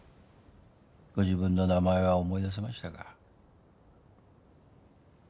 ご自分の名前は思い出せましたか？